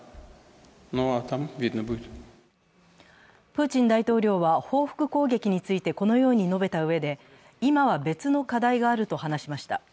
プーチン大統領は報復攻撃についてこのように述べたうえで今は別の課題があると話しました。